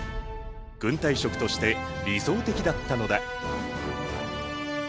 軍隊食として理想的だったのだ。